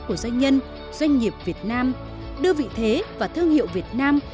của doanh nhân doanh nghiệp việt nam đưa vị thế và thương hiệu việt nam